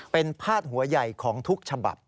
เป็นพาดหัวใหญ่ของทุกฉบับ